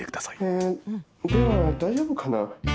えでは大丈夫かな。